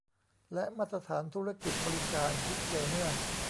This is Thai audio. และมาตรฐานธุรกิจบริการที่เกี่ยวเนื่อง